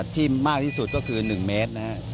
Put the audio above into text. มากที่สุดก็คือ๑เมตรนะครับ